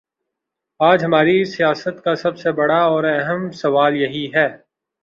آج ہماری سیاست کا سب سے بڑا اور اہم سوال یہی ہے؟